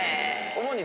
主に。